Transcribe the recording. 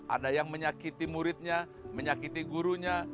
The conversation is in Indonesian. ada yang menyakiti muridnya menyakiti gurunya